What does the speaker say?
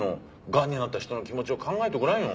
がんになった人の気持ちを考えてごらんよ。